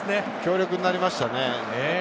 強力になりましたね。